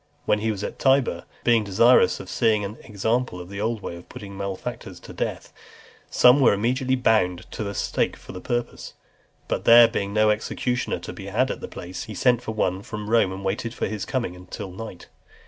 When he was at Tibur, being desirous of seeing an example of the old way of putting malefactors to death, some were immediately bound to a stake for the purpose; but there being no executioner to be had at the place, he sent for one from Rome, and waited for his coming until night.